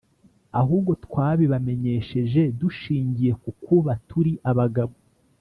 ahubwo twabibamenyesheje dushingiye ku kuba turi abagabo